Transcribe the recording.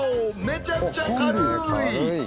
めちゃくちゃ軽い！